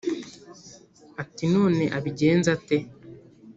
ati none abigenze ate